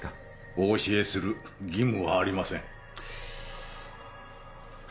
お教えする義務はありません。